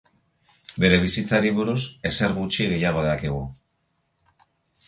Bere bizitzari buruz ezer gutxi gehiago dakigu.